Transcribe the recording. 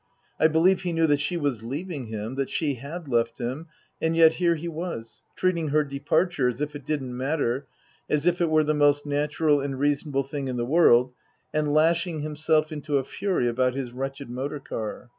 I believe he knew that she was leaving him, that she had left him ; and yet, here he was, treating her departure as if it didn't matter, as if it were the most natural and reasonable thing in the world, and lashing himself into a fury about his wretched motor car.